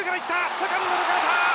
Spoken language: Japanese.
セカンド抜かれた。